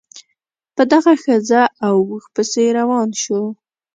په دغه ښځه او اوښ پسې روان شو.